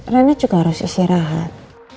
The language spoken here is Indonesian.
rena juga harus istirahat